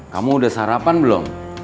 kamu udah sarapan belum